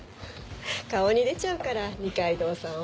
顔に出ちゃうから二階堂さんは。